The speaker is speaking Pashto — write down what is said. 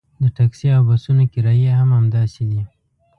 د ټکسي او بسونو کرایې هم همداسې دي.